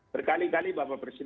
berkali kali bapak presiden